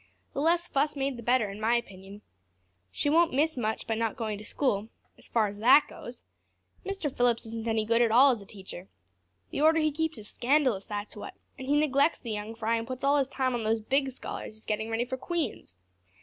The less fuss made the better, in my opinion. She won't miss much by not going to school, as far as that goes. Mr. Phillips isn't any good at all as a teacher. The order he keeps is scandalous, that's what, and he neglects the young fry and puts all his time on those big scholars he's getting ready for Queen's.